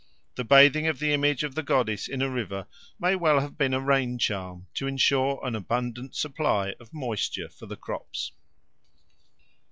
The bathing of the image of the goddess in a river may well have been a rain charm to ensure an abundant supply of moisture for the crops.